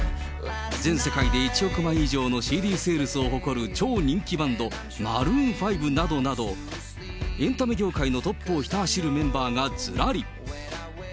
全世界で１億枚以上のＣＤセールスを誇る超人気バンド、マルーン５などなど、エンタメ業界のトップをひた走るメンバーがずらり。